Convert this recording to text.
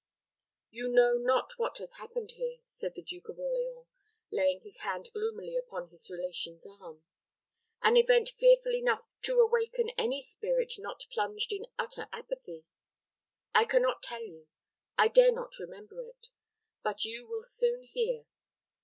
"You know not what has happened here," said the Duke of Orleans, laying his hand gloomily upon his relation's arm. "An event fearful enough to awaken any spirit not plunged in utter apathy. I can not tell you. I dare not remember it. But you will soon hear.